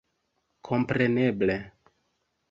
kompreneble